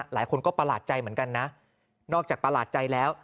หลายคนก็ประหลาดใจเหมือนกันนะนอกจากประหลาดใจแล้ว